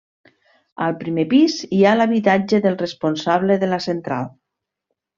Al primer pis hi ha l'habitatge del responsable de la central.